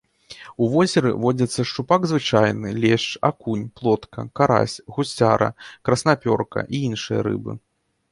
У возеры водзяцца шчупак звычайны, лешч, акунь, плотка, карась, гусцяра, краснапёрка і іншыя рыбы.